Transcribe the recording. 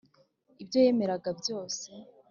ibyo yemeraga byose,